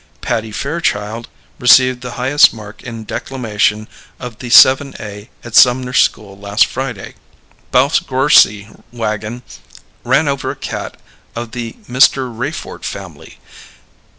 Patty Fairchild received the highest mark in declamation of the 7A at Sumner School last Friday. Balf's grorcey wagon ran over a cat of the Mr. Rayfort family.